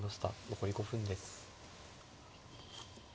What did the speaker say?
残り５分です。